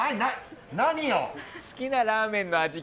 好きなラーメンの味